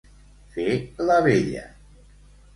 Fer la vella.